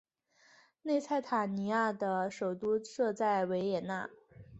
内莱塔尼亚的首都设在维也纳。